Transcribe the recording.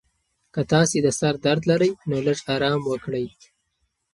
که تاسي د سر درد لرئ، نو لږ ارام وکړئ.